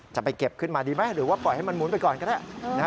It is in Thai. จะไปเก็บขึ้นมาดีไหมหรือว่าปล่อยให้มันหมุนไปก่อนก็ได้